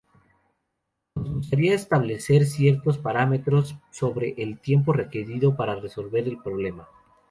Nos gustaría establecer ciertos parámetros sobre el tiempo requerido para resolver el problema".